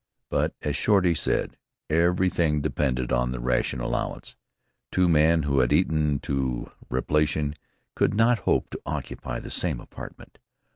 But, as Shorty said, everything depended on the ration allowance. Two men who had eaten to repletion could not hope to occupy the same apartment.